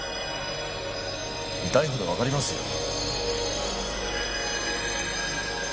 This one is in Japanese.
痛いほどわかりますよ。